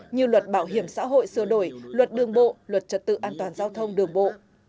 như luật bảo hiểm xã hội sửa đổi luật đường bộ luật trật tự an toàn giao thông đường bộ